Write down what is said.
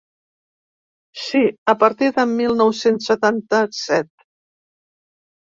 Sí, a partir de mil nou-cents setanta-set.